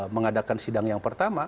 mengadakan sidang yang pertama